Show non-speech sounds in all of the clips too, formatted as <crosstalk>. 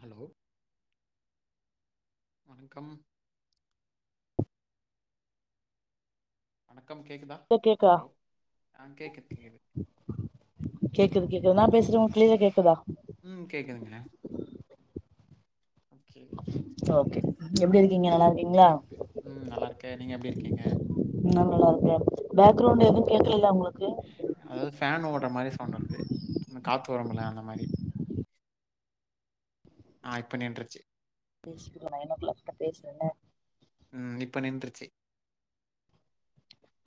Hello வணக்கம் க்கம் கேக்குதா த கேக்கா ஹலோ ஆ கேக்குது கேக்து கேக்குது கேக்குது நா பேசுறது உங்க கிளீரா கேக்குதா? ம் கேக்குதுங்க ஓகே ஓகே எப்டி இருக்கீங்க நல்லா இருக்கீங்களா ம் நல்லா இருக்க நீங்க எப்டி இருக்கீங்க? நல்லாருக்கே அதாவ்து ஃபேன் ஓடுற மாரி சவுண்ட் வருது ம் காத்து வருமுல்ல அந்த மாரி ஆ இப்ப நின்றுச்சு. பேசிக்குடுவோ நைன் ஓ கிளாக் கிட்ட பேசுவோனே ம் இப்ப நின்றுச்சு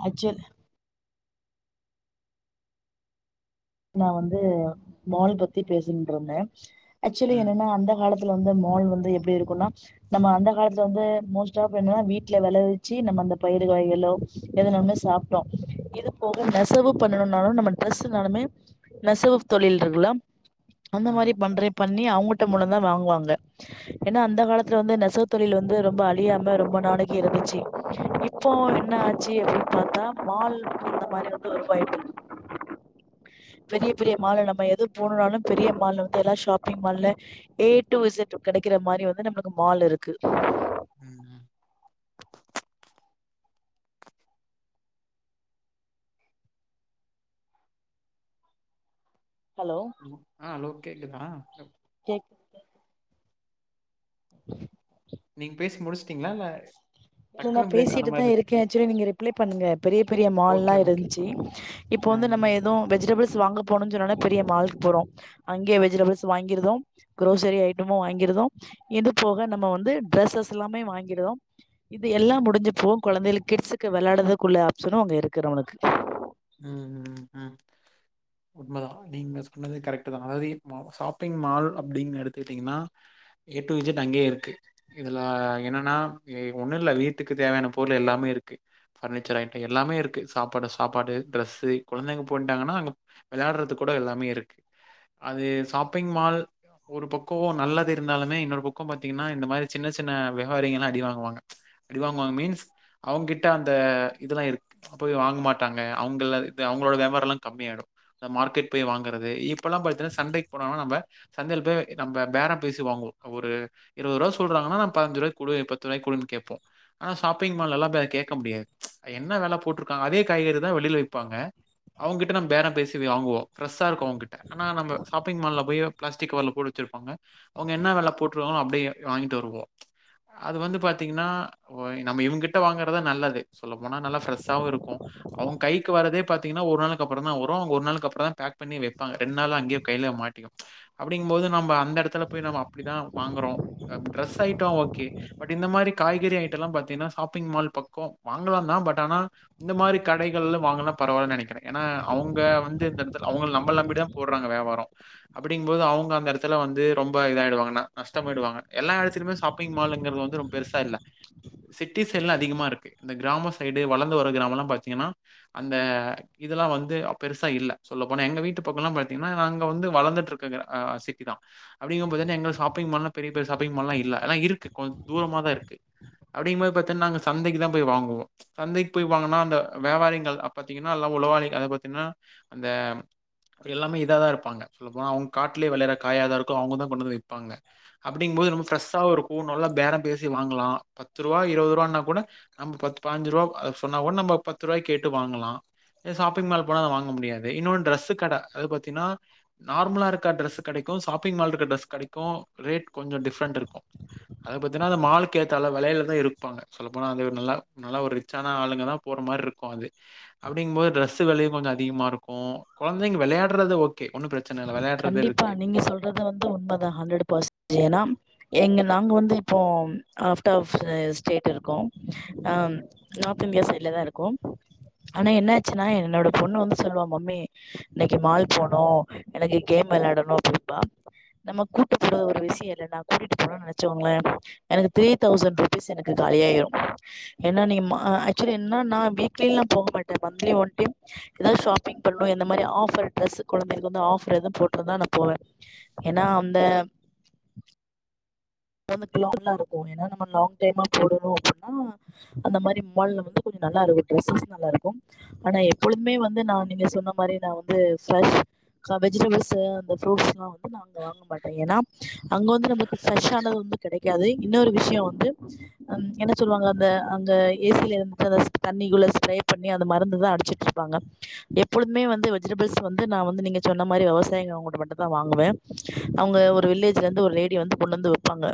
ஆச்சல் நா வந்து மால் பத்தி பேசிக்ட்டுருந்தே ஆக்சுவலி ம் என்னன்னா அந்த காலத்துல வந்து மால் வந்து எப்டி இருக்குன்னா நம்ம அந்த காலத்துல வந்து மோஸ்ட்டாப் என்னன வீட்ல வெளைவிச்சு நம்ம அந்த பயிர் ர் வகைகளோ எதுனாலாமே சாப்ட்டோ இது போக நெசவு பண்ணணும்னாலு நம்ம ட்ரஸ்னாலுமே நெசவு தொழில் இருக்லாம் அந்த மாரி ம் பண்றே பண்ணி அவங்கள்ட்ட முள ந்தா வாங்குவாங்க ஏனா அந்த காலத்துல வந்து நெசவு தொழில் வந்து ரொம்ப அழியாம ரொம்ப நாளைக்கு இருந்துச்சு. இப்போ என்ன ஆச்சு அப்டின்னு பாத்தா மால் அந்த மாரி வந்து உருவாயிட்டு இரு பெரிய பெரிய மால்லலா நம்ம எது போனுனாலு பெரிய மால்ல வந்து எல்லா ஷாப்பிங் மால்ல ஏ டு இசட் ட்டு கெடைக்கிற மாரி வந்து நம்மளுக்கு மால் இருக்கு. ம் ம் ஹலோ ஆ ஹலோ கேக்குதா கேக் நீங் பேசி முடிச்சுட்டீங்களா இல்ல நா டக்குன்னு பிரேக் ஆன மாரி பேசிட்டுதா இருக்கு இருக்கே செரி நீங்க ரிப்ளே பண்ணுங்க பெரிய பெரிய மால்லா ஓகே ஓகே இருந்துச்சு இப் ப்போ ஆ வந்து நம்ம எதுவ் வெஜிடபிள்ஸ் ஸ் வாங்க போனுன் சொன்னோனே பெரிய மால்க்கு போறோ அங்கே வெஜிடபிள்ஸ் வாங்கிறுதோ குரோசரி ஐட்டமும் வாங்கிரு டுதோம் இது போக நம்ம வந்து ட்ரெஸஸ் எல்லாமே வாங்கிடுதோம் இது எல்லாம் முடிஞ்சுப்போம் கொழந்தைளு கிட்ஸுக்கு விளையாடுறதுக்குள்ள ஆப்ஷனு அங்க இருக்கு நமளுக்கு உண்மதா நீங்க சொன்னது கரெக்ட்தா அதாவது மா ஷாப்பிங் மால் அப்படிங்னு எடுத்துக்கிட்டீங்கன்னா ஏ டு இஜட் அங்கேயே இருக்கு இதுல என்னன்னா இ ஒன்னு இல்ல வீட்டுக்கு தேவையான பொருள் எல்லா லாமே இருக்கு பர்னிச்சர் ஐட்டம் எல்லாமே இருக்கு சாப்பாடு சாப்பாடு ட்ரெஸு குழந்தைங்க போயிட்டாங்கன்னா அங்க வெளையாடுறதுக் கூட எல்லாமே இருக்கு அது ஷாப்பிங் மால் ஒரு பக்கோ நல்லது இருந்தாலுமே இன்னொரு பக்கோ பாத்தீங்கன்னா இந்த மாரி சின்ன சின்ன விவாரிங்கள்ல்லா அடிவாங்குவாங்க. அடி வாங்குவாங்க மீன்ஸ் அவங்க கிட்ட அந்த இதெல்லா இருக் போய் வாங்க மாட்டாங்க. அவங்களது அவங்களோட வியாபாரல்லா கம்மி ஆயிடு. இந்த மார்க்கெட் போய் வாங்கறது இப்பெல்லா பாத்தீயன்னா சண்டைக்கு போனம்னா நம்ம சந்தையில போய் நம்ம பேறோ பேசி வாங்குவோ. ஒரு இருவருக்கும் ரூபா சொல்றாங்கன்னா பதனஞ்சு ரூவாகுடு பத்து ரூவாகுடு கோப்போ. ஆனா ஷாப்பிங்மால் லா கேட்க முடியாது அ என்ன வெல போட்டாருக்காங்க அதே காய்கறிதா வெளில விப்பாங்க. அவங்ககிட்ட நம்ம பேறம்பேசி வாங்குவோ ஃப்ரெஷ்ஷா இருக்கு அவங்கிட்ட ஆனா நம்ம ஷாப்பிங் மால்ல போயி பிளாஸ்டிக் கவர்ல போட்டு வச்ச சிருப்பாங்க அவங்க என்ன வெல போட்டுக்காங்களோ அப்படியே வாங்கிட்டு வருவோ. அது வந்து பாத்தீங்கன்னா ஒ நம்ம இவங்ககிட்ட வாங்குறதா நல்லது சொல்ல போனா நல்லா ஃப்ரெஷ்ஷாவு இருக்கு அவங்க கைக்கு வரதே பாத்தீங்கன்னா ஒரு நாளுக்கு அப்புறோந்தா வரும் அவங்க ஒரு நாளுக்கு அப்புறோ தா பேக் பண்ணி வெய்ப்பாங்க ரெண்டு நாள் அங்கேய கையில மாட் அப்படிங்கு போது நம்ம அந்த எடத்துல போய் நம்ம அப்படிதா வாங்கறோ ட்ரெஸ் ஐட்டோ ஓகே. பட் இந்த மாரி காய்கறி ஐட்டோ லா பாத்தீங்கன்னா ஷாப்பிங் மால் பக்க வாங்கலாம் தா பட் ஆனா இந்த மாதிரி கடைகள் வாங்கலா பரவால்ல நினைக்கிற. ஏன்னா அவங்க வந்து இந்த எடத்துல அவங்க நம்மள நம்பி தா போடுறாங்க வியாபார அப்படிங்கும்போது அவங்க அந்த எடத்துல வந்து ரொம்ப இத ஆயிடுவாங்க நஷ்டமாயிடுவாங்க எல்லா எடத்துலுமே ஷாப்பிங் மால் வந்து ரொம்ப பெருசா இல்ல சிட்டி சைடலா அதிகமா இருக்கு இந்த கிராம சைடு வளந்து வர கிராமம்ல்லா பாத்த ங்கன்னா அந்த இதெல்லா வந்து பெருசா இல்ல சொல்ல போனா எங்க வீட்டு பக்க எல்லா பாத்தீங்கன்னா நாங்க வந்து வளர்ந்துட்டு இருக்கற சிட்டி தா. அப்படிங்கும்போது எங்க ஷாப்பிங் பண்ண பெரிய பெரிய ஷாப்பிங் மால்லா இல்ல ஆனா இருக்கு கொஞ் தூரமா தான் இருக்கு அப்படிங்கும்போது பாத்தா நா சந்தைக்கு தான் போய் வாங்குவோ சந்தைக்கு போய் வாங்கனா அந்த வியாவாரிங்கள் அப்ப பாத்தீங்கன்னா எல்லா உளவாளிகள் அத பத்தீங்கன்னா அந்த எல்லாமே இதா தா இருப்பாங்க சொல்ல போனா அவங்க காட்லேய விளையற காயா தா இருக்கு அவங்க தா கொண்டு வந்து விப்பாங்க அப்படிங்கும்போது ஃப்ரெஷ்ஷா உ நல்லா பேர பேசி வாங்கலா பத்து ரூபா இருவது ரூபானா கூட நம்ம பத்து பாஞ்சு ரூபா சொன்னா கூட நம்ம பத்து ரூவாய்க்கேட்டு வாங்கலா ஷாப்பிங் மால் போனா அதை வாங்க முடியாது இன்னொன்னு டிரெஸ்ஸு கடை அது பாத்தீங்கன்னா நார்மலா இருக்கா டிரெஸ் கடைக்கு ஷாப்பிங் மால் இருக்க டிரெஸ் கடைக்கு ரேட் கொஞ்ச டிஃப்ரெண்ட் இருக்கு அத பத்தினா அந்த மாலக்கேத்தால விலையிலதான் இருப்பாங்க சொல்ல போனா அது நல்லா நல்லா ஒரு ரிச்சான ஆளுங்க தான் போற மாரி இருக் கு அது அப்படிங்கும்போது டிரஸ்ஸு விலையு கொஞ்சோஅதிகமா இருக்கு குழந்தைங்க விளையாடுறது ஓக் கண்டிப்பா நீங்க சொல்றது வந்து உண்ம தா. ஹண்ட்ரட் பர்சண்ட் ஏனா ஏங்க நாங்க வந்து இப்போ அவுட் ஆப் ஸ்டேட் இருக்கோ அ நார்த் இந்தியா சைட்ல தா இருக்கோ ஆனா என்ன ஆச்சுன்னா என்னோட பொண்ணு வந்து சொல்லுவா மம்மி இன்னைக்கு மால் போனோ எனக்கு கேம் விளையாடணு அப்பிடிம்பா நம்ம கூட்டு போறது ஒரு விஷய இல்ல நா கூட்டிட்டு போனணும்னு நினச்சோங்களே எனக்கு த்ரீ தௌசண்ட் ருபீஸ் எனக்கு காலியாயிடு ஏன்னா நீ ஆக்சுவலி என்னன்னா நா வீக்லில்லா போக மாட்டே மந்த்லி ஒன் டைம் எதாது ஷாப்பிங் பன்னனு எந்த மாரி ஆஃபர் டிரெஸ் கொழந்தைங்களுக்கு வந்து ஆஃபர் எதும் போட்ருந்தா நா போவே ஏன்னா அந்த அங்க வந்து <unintelligible> இருக்கு ஏன்னா நம்ம லாங் டைமா போடணு அப்டின்னா அந்த மாரி மால் ல வந்து கொஞ்ச நல்லா இருக்கு. டரெஸ்ஸஸ் நல்லா இருக்கு. ஆனா எப்பொழுதுமே வந்து நா நீங்க சொன்ன மாரி நா வந்து <unintelligible> வெஜிடபிள்ஸு அந்த ப்ரூட்ஸ்ல்லா வந்து <inaudible> அங்க வாங்க மாட்டே ஏன்னா அங்க வந்து நமக்கு ஃபரெஷ் ஆனது வந்து கெடைக் காது இன்னொரு விஷயோ வந்து என்ன சொல்லுவாங்க அந்த அந்த ஏசியில இருந்து அ தண்ணி நடுவுல ஸ்ப்ரே பண்ணி அது மருந்து தா அடிச்சுட்டு இருப்பாங்க எப்பொழுதுமே வந்து வெஜிடபிள்ஸ் வந்து நா வந்து நீங்க சொன்ன மாரி விவசாயிங்க அவங்க மட்டும் தா வாங்குவே அவங்க ஒரு வில்லேஜ்ல இருந்து ஒரு லேடி வந்து கொண்டு வந்து விப்பாங்க.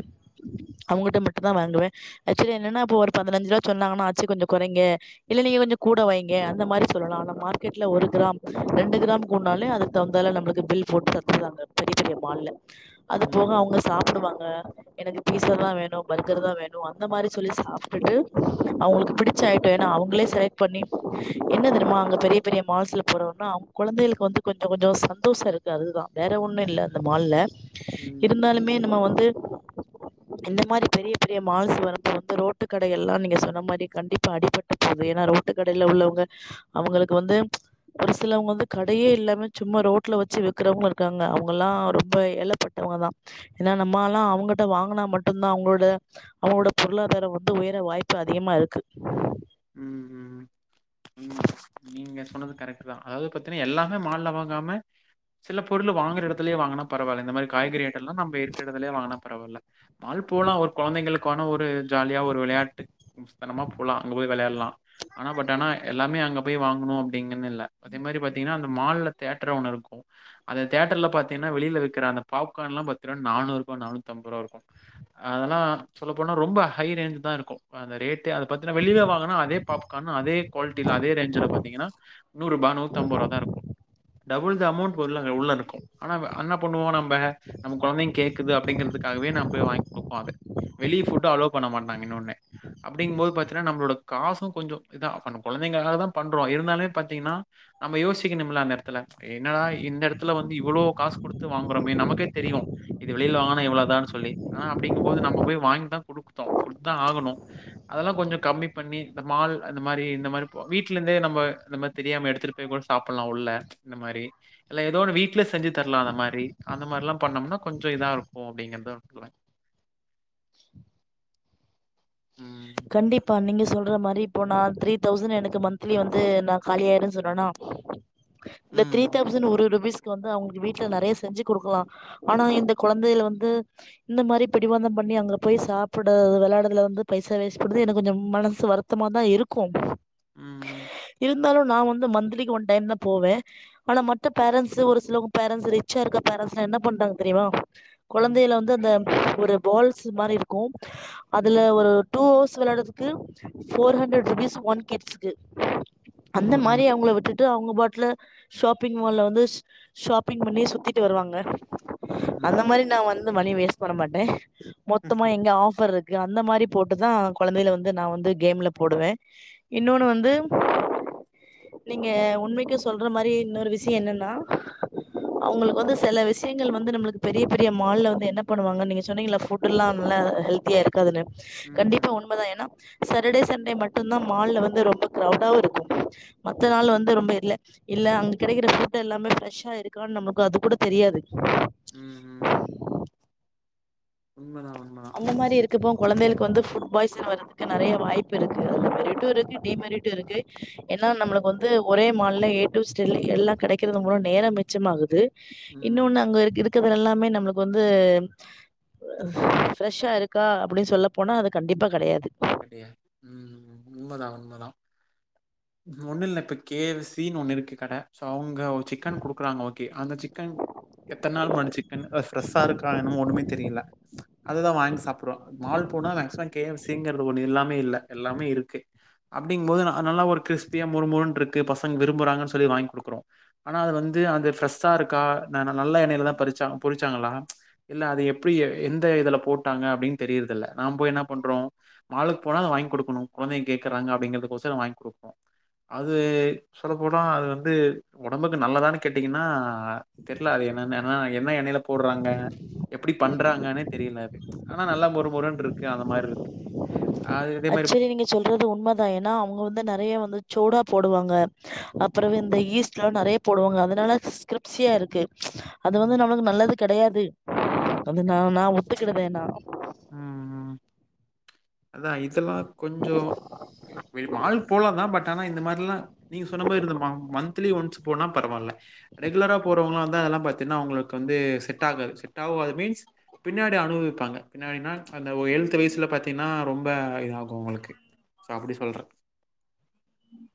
அவங்ககிட்ட மட்டு தான் வாங்குவ ஆக்சுவலி என்னன்ன ஒரு பதனஞ்சு ரூபா சொன்னாங்கன்னா ஆச்சி கொஞ்ச குறை ங்க இல்ல நீங்க கொஞ்சோ கூட வைங்க அந்த மாரி சொல்லலா ஆனா மார்க்கெட்ல ஒரு கிராம் ரெண்டு கிராம் கூடுனாலே அதுக்கு தகுந்தால நம்மளுக்கு பில் போட்டு தந்துடுவாங்க பெரிய பெரிய மால்ல அது ம், போக ம். அவங்க சாப்டுவாங்க எனக்கு பீஸா தா வேணு பர்கர் தா வேணு அந்த மாரி சொல்லி சாப்டுட்டு அவங்களுக்கு பிடிச்ச ஐ ஏன்னா அவங்களே செலக்ட் பண்ணி என்ன தெரியுமா அங்க பெரிய பெரிய மால்ஸ்ல போறங்க குழந்தைகளுக்கு வந்து கொஞ்ச கொஞ்ச சந்தோஷம் இருக்கு அதுதான் வேற ஒண்ணு இல்ல அந்த மால்ல ம், இருந்தாலுமே நம்ம வந்து இந்த மாரி பெரிய பெரிய மால்ஸ் வரபோரப்ப ரோட்டு கடைகெல்லா நீங்க சொன்ன மாரி கண்டிப்பா அடிபட்டு போது ஏன்னா ரோட்டு கடைல உள்ளவங்க அவங்களுக்கு வந்து ஒரு சிலவங்க வந்து கடையே இல்லாமே சும்மா ரோட்ல வச்சு விக்கிறவங்கலும் இருக்காங்க அவங்கல்லா ரொம்ப ஏலப்பட்ட ங்க தான் ஏன்னா நம்மால்லா அவங்க வாங்கனா மட்டும்தான் அவங்களோட அவங்களோட பொருளாதாரம் வந்து உயர வாய்ப்பு அதிகமா இருக்கு ம் ம் ம் நீங்க சொன்னது கரெக்ட் தான் அதாவது பாத்தீன்னா எல்லாமே மால்ல வாங்காம சில பொருள் வாங்கற இடத்துலயே வாங்குனா பரவால இந்த மாரி காய்கறி ஐட்டல்லா நம்ம இருக்க இடத்துலே வாங்கனா பரவால்ல மால் போலா ஒரு குழந்தைங்களுக் ஆன ஒரு ஜாலியா ஒரு விளையாட்டு தனமா போலா அங்க போய் வெலையாட்லா ஆனா பட் ஆனா எல்லாமே அங்க போய் வாங்கணு அப்டின் னு இல்ல அதே மாரி பாத்தீங்கன்னா அந்த மால்ல தேட்டர் ஒண்ணு இருக்கு அந்த தேட்டர்ல பாத்தீங்கன்னா வெளில விக்கிற அந்த பாப்கார்ன்லா பாத்தீனா நானூறு ரூபா நானூத்தம்ப து ரூவா இருக்கு அதெல்லா சொல்ல போனா ரொம்ப ஹை ரேஞ்ச் தா இருக்கு அந்த ரேட்டு அத பத் இதுனா வெளில வாங்குனா அதே பாப்கார்ன் அதே குவாலிட்டில அதே ரேஞ்ல பாத்தீங்கன்னா நூரூபா நூத்தம்பரூவா தா இருக்கு டபுள் த அமௌண்ட் உள்ள உள்ள இருக்கு ஆனா என்ன பண்ணுவோ நம்ப நம்ம கொழந்தைங்க கேக்குது அப்டிங்கிரத்துக் காவே நாம போயி வாங்கிகுடுப்போ அத வெளிய ஃபுட் அலோ பன்ன மாட்டங்க இன்னொன்னு அப்டிங்கும்போது பாத் தீங்கன்னா நம்மளோட காசு கொஞ்சோ இதா நம்ம கொழந்தைங்ககாக தா பண்றோ இருந்தாலுமே பாத்தீங்கன்னா நம்ம யோசிக்க ணும்ல அந்த எடத்துல என்னடா இந்த எடத்துல வந்து இவ்ளோ காசு குடுத்து வாங்குறோமே நமக்கே தெரியு இது வெளில வாங்குனா இவ்ள தான்னு சொல்லி ஆனா அப்டிங்கும் போது நம்ப போய் வாங்கி தா குடுத்தோ குடுத்து தா ஆகனு அதெல்லா கொஞ்சோ கம்மி பண்ணி இந்த மால் அந்த மாறி இந்த மாறி போ வீட்ல இருந்தே நம்ம இந்த மாரி தெரியாம எடுத்துட்டு போய் கூட சாப்லா உள்ள இந்த மாரி இல்ல ஏதோ ஒன்னு வீட்ல செஞ்சி தரலா அந்த மாறி அந்த மாறிலா பண்ணம்ன்னா கொஞ்சோ இதா இருக்கு அப்டிங்கிறத நா சொல்லுவே ம். கண்டிப்பா நீங்க சொல்ற மாறி இப்போ நா த்ரீ தௌசண்ட் எனக்கு மந்த்லி வந்து நா காலியாயிருன்னு சொன்னனா இந்த த்ரீ ம். தௌசண் ஒரு ரூபீஸ் வந்து அவுங்களுக்கு வீட்ல நெறயா செஞ்சி குடுக்கலா ஆனா இந்த கொழந்தைகள் வந்து இந்த மாரி பிடிவாதம் பண் ணி அங்க போய் சாப்டது வெளாடுறதுல வந்து பைசா வேஸ்ட் அப்டி இருந்து எனக்கு கொஞ்சோ மனசு வருத்தமாதா இருக்கு ம் ம் இருந்தாலு நா வந்து மந்தலிக்கு ஒன் டைம் தா போவே ஆனா மத்த பேரன்ஸ் ஒரு சில பேரன்ஸ் ரிச்சா இருக்க பேரன் ஸ்லா என்ன பண்றாங்க தெரியுமா ம். கொழந்தைகள வந்து அந்த ஒரு பால்ஸ் மாரி இருக்கு அதுல ஒரு டூ அவர்ஸ் வெளாடுறதுக்கு போர் ஹண்டர்ட் ரூபீஸ் ஒன் கிட்ஸ்க்கு அந்த மாரி ம்ஹ்ம். அவங்கள விட்டு ட்டு அவுங்க பாட்டுல ஷாப்பிங் மால்ல வந்து ஷாப்பிங் பண்ணி சுத்தீட்டு வருவாங்க ம்ஹ்ம். அந்த மாரி நா வந்து மணி வேஸ்ட் பண்ண மாட்டே மொத்தமா ம்ஹ்ம். எங்க ஆஃபர் இருக் கு அந்த மாறி போட்டுதா கொழந்தைகள வந்து நா வந்து கேம்ல போடுவே இன்னொன்னு வந்து நீங்க உண்மைக்கு சொல்ற மாரி இன்னொரு விசயோ என்னன்னா அவுங்களுக்கு வந்து செல விசயங்கள் வந்து நம்மளுக்கு பெரிய பெரிய மால்ல வந்து என்ன பண்ணுவாங்கன்னு நீங்க சொன்னீங்கல்ல ஃபுட்ல்லா நல்ல ஹெல்தியா இருக்காதுன்னு கண்டிப் ம்ஹ்ம். பா உண்மதா ஏன்னா சேட்டர்டே சண்டே மட்டு தா மால்ல வந்து ரொம்ப கிரவுடாவு இருக்கு மத்த நாள் வந்து ரொம்ப இல்ல இல்ல அங்க கெடைக்கிற ஃபுட் எல்லாமே ஃப்ரெஷ்ஷா இருக்கான்னு நம்மளுக்கு அது கூட தெரியாது ம் ம் உண்மதா அந்த மாரி இருக்கப்போ கொழந்தைளுக்கு வந்து ஃபுட் பாய்சன் வர்றதுக்கு நெறய வாய்ப்பு இருக்கு மெரிட்டு இருக்கு டீமெரிட்டு இருக்கு ஏன்னா நம்மளுக் கு வந்து ஒரே மால்ல ஏ டு ஸ்டில் எல்லா கெடைக்கிறது மூலோ நேரம் மிச்சமாகுது ம். இன்னொன்னு அங்க இருக்கு இருக்கிறதெல்லாமே நம்மளுக்கு வந்து ஃப்ரெஷ்ஷா இருக்கா அப்டின் சொல்ல போனா அது கண்டிப்பா கெடையாது கெடையாது ம் உண்மதா உண்மதா ஒண்ணு இல்ல இப்ப கே எஃப் சின்னு ஒண்ணு இருக்கு கட சோ அவுங் க ஒரு சிக்கன் குடுக்குறாங்க ஓகே அந்த சிக்கன் எத்தன் நாள் முன்னாடி சிக்கன் அது ஃப்ரெஷ்ஷா இருக்கா என்னமோ ஒண்ணுமே தெரியல அததா வாங்கி சாப்டுறோ மால் போனா மேக்சிமம் கே எஃப் சிங்கிறது ஒண்ணு இல்லாம இல்ல எல்லாமே இருக்கு அப்டிங்கும்போது ஆ நல்லா ஒரு கிறிஸ்பியா மொறுமொறுன்றுக்கு பசங்க விரும்புறாங்கன்னு சொல்லி வாங்கி குடுக்குறோ ஆனா அது வந் து அது ஃப்ரெஷ்ஷா இருக்கா நந நல்ல எண்ணைல தா பறிச்சாங்க பொறிச்சாங்களா இல்ல அது எப்டி எந்த இதுல போட்டாங்க அப்டின்னு தெரியிறதில்ல நாம் போய் என்ன பண்றோ மாலுக்கு போனா அத வாங்கி குடுக்கணு கொழந்தைங்க கேக்கறாங்க அப்டிங்கிறதுக்கோசரோ வாங்கி குடுப்போ அது சொல்ல போனா அது வந்து ஒடம்புக்கு நல்லதான்னு கேட்டீங்கன்னா தெரில அது என்னன ஆனா என்ன எண்ணெயில போடுறாங்க எப்டி பண்றாங்கன்னே தெரியலது ஆனா நல்லா மொருமொருன் இருக்கு அந்த மாரி இரு அ செரி நீங்க சொல்றது உண்மதா ஏன்னா அவங்க வந்து நறைய வந்து சோடா போடுவாங்க அப்புறவு இந்த ஈஸ்ட்லா நறைய போடுவாங்க அதனால ஸ்கிரிப்ஸியா இருக்கு அது வந்து ம், நம்மளுக்கு நல்லது கெடையாது வந்து நா நா ஒத்துக்கிடுதேன் நா ம் ம் அதா இதெல்லா‌ கொஞ்சோ வில் மால் போலா தா பட் ஆனா இந்த மா ல்லா நீங்க சொன்ன மாரி இருந்த ம மந்த்லி ஒன்ஸ் போனா பரவால்ல ரெகுலரா போறவங்களா அதெல்லா பாத்தீங்ன்னா அவங்களுக்கு வந்து செட் ஆகுது செட் ஆவாது மீன்ஸ் பின்னாடி அனுவவிப்பாங்க பின்னாடினா சோ அந்த ஒ எல்த் வயசுல பாத்தீன்னா ரொம்ப இதாகும் உங்களுக்கு சோ அப்டி சொல்றேன் ம்